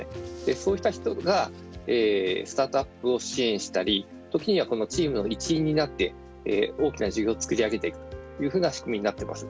そうした人がスタートアップを支援したり時にはチームの一員になって大きな事業を作り上げていくというふうな仕組みになっています。